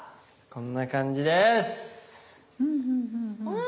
こんな感じです。